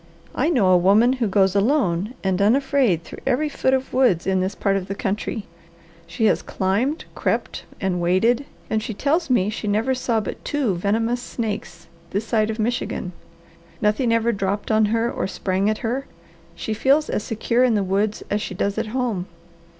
I know a woman who goes alone and unafraid through every foot of woods in this part of the country. She has climbed, crept, and waded, and she tells me she never saw but two venomous snakes this side of Michigan. Nothing ever dropped on her or sprang at her. She feels as secure in the woods as she does at home."